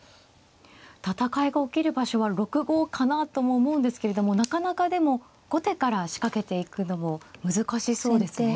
戦いが起きる場所は６五かなとも思うんですけれどもなかなかでも後手から仕掛けていくのも難しそうですね。